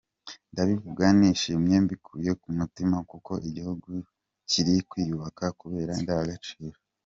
Ndabivuga nishimye mbikuye ku mutima, kuko igihugu kiri kwiyubaka kubera indangagaciro.